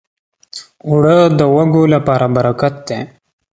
اوړه د وږو لپاره برکت دی